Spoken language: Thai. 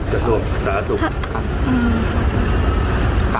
หัวถูกสาธารณสุก